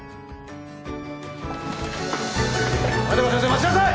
待ちなさい！